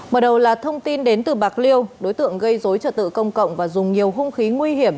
mở đầu là thông tin đến từ bạc liêu đối tượng gây dối trật tự công cộng và dùng nhiều hung khí nguy hiểm